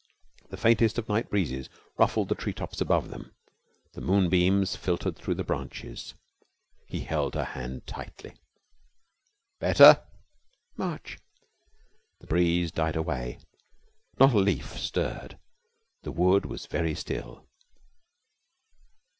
The faintest of night breezes ruffled the tree tops above them. The moonbeams filtered through the branches. He held her hand tightly. 'Better?' 'Much.' The breeze died away. Not a leaf stirred. The wood was very still.